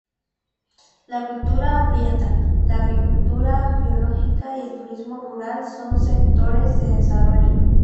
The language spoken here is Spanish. La cultura aprieta, la agricultura biológica y el turismo rural son sectores en desarrollo.